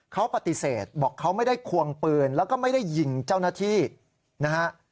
เขาปฏิเสธบอกเขาไม่ได้ควงปืนแล้วก็ไม่ได้ยิงเจ้าหน้าที่นะฮะ